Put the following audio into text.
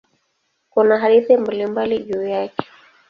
Kuna hadithi mbalimbali juu yake.